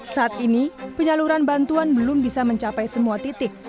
saat ini penyaluran bantuan belum bisa mencapai semua titik